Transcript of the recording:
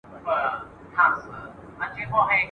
مګر که د پیغام له اړخه ورته وکتل سي !.